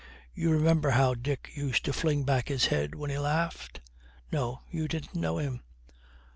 You remember how Dick used to fling back his head when he laughed? No, you didn't know him.